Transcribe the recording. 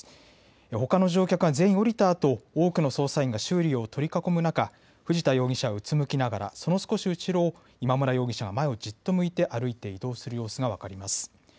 ほかの乗客が全員降りたあと多くの捜査員が周囲を取り囲む中、藤田容疑者はうつむきながら、その少し後ろを今村容疑者が前をじっと向いて歩いて移動する様子が分かります。